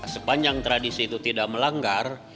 sepanjang tradisi itu tidak melanggar